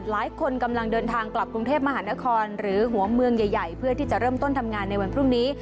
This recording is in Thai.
หลายคนกำลังเดินทางกลับกรุงเทพมหานครหรือหัวเมืองใหญ่เพื่อที่จะเริ่มต้นทำงานในวันพรุ่งนี้